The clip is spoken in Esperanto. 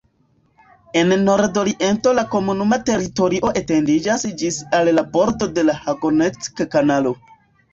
En nordoriento la komunuma teritorio etendiĝas ĝis al la bordo de la Hagneck-Kanalo.